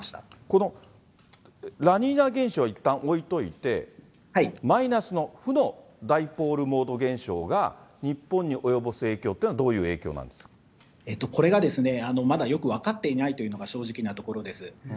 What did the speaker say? このラニーニャ現象はいったん置いといて、マイナスの、負のダイポールモード現象が日本に及ぼす影響っていうのはどういこれがですね、まだよく分かっていないというのが正直なところです。